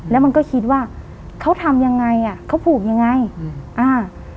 แล้วมันก็คิดว่าเขาทำยังไงอ่ะเขาผูกยังไงอืมอ่า